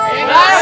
wah apa waduh